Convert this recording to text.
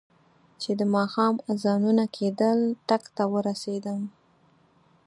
چې د ماښام اذانونه کېدل ټک ته ورسېدم.